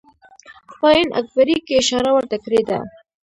په آیین اکبري کې اشاره ورته کړې ده.